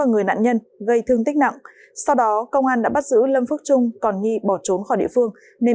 gây thương tích nặng sau đó công an đã bắt giữ lâm phước trung còn nhi bỏ trốn khỏi địa phương nên